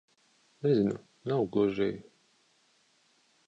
Nezinu. Nav gluži...